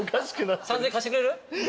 ３，０００円貸してくれる？